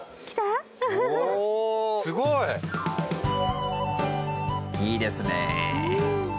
おおすごい！いいですね。